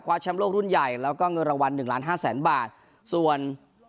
แชมป์โลกรุ่นใหญ่แล้วก็เงินรางวัลหนึ่งล้านห้าแสนบาทส่วน